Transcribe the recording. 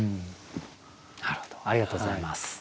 なるほどありがとうございます。